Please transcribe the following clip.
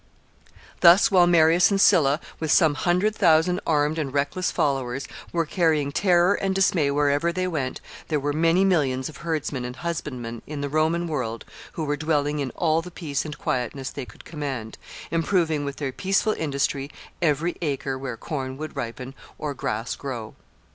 ] Thus, while Marius and Sylla, with some hundred thousand armed and reckless followers, were carrying terror and dismay wherever they went, there were many millions of herdsmen and husbandmen in the Roman world who were dwelling in all the peace and quietness they could command, improving with their peaceful industry every acre where corn would ripen or grass grow.